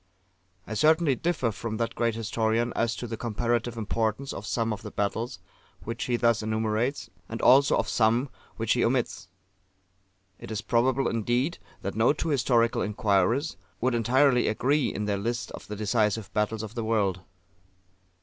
I certainly differ from that great historian as to the comparative importance of some of the battles which he thus enumerates, and also of some which he omits. It is probable, indeed, that no two historical inquirers would entirely agree in their lists of the Decisive Battles of the World.